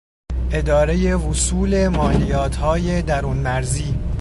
ادارهی وصول مالیاتهای درون مرزی